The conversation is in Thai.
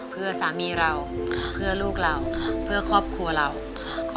เพื่อสามีเราเพื่อลูกเราเพื่อครอบครัวเราค่ะ